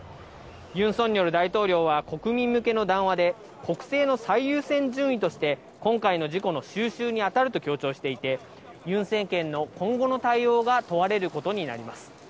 ユン・ソンニョル大統領は、国民向けの談話で、国政の最優先順位として、今回の事故の収拾に当たると強調していて、ユン政権の今後の対応が問われることになります。